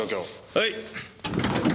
はい。